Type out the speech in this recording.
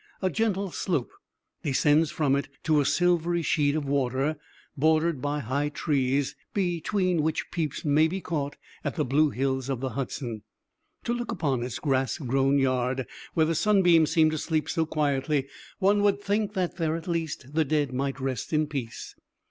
A gentle slope descends from it to a silver sheet of water, bordered by high trees, between which peeps may be caught at the blue hills of the Hudson. To look upon its grass grown yard, where the sunbeams seem to sleep so quietly, one would think that there at least the dead might rest in peace.